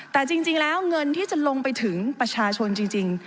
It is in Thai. แต่จริงแล้วเงินที่จะลงไปถึงประชาชนจริง